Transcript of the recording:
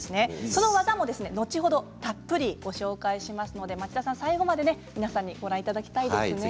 その技も後ほどたっぷりご紹介しますので町田さん、最後まで、皆さんにご覧いただきたいですね。